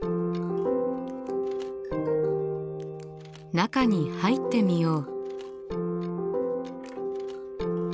中に入ってみよう。